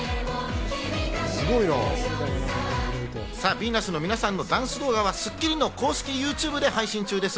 ヴィーナスの皆さんのダンス動画は『スッキリ』の公式ＹｏｕＴｕｂｅで配信中です。